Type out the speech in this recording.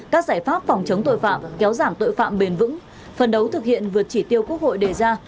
các giải pháp phòng chống tội phạm kéo giảm tội phạm bền vững phân đấu thực hiện vượt chỉ tiêu quốc hội đề ra